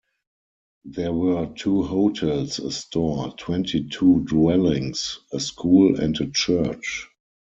There were two hotels, a store, twenty two dwellings, a school and a church.